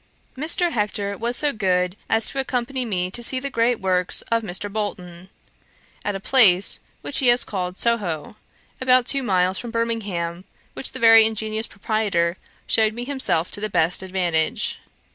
Mr. Hector was so good as to accompany me to see the great works of Mr. Bolton, at a place which he has called Soho, about two miles from Birmingham, which the very ingenious proprietor shewed me himself to the best advantage.